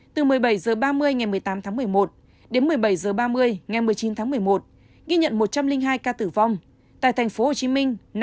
từ một mươi bảy h ba mươi ngày một mươi tám một mươi một đến một mươi bảy h ba mươi ngày một mươi chín một mươi một ghi nhận một trăm linh hai ca tử vong tại tp hcm năm mươi năm